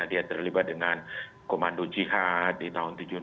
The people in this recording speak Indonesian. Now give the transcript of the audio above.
dia terlibat dengan komando jihad di tahun seribu sembilan ratus tujuh puluh enam